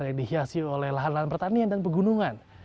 yang dihiasi oleh lahan lahan pertanian dan pegunungan